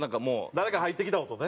誰か入ってきた音ね。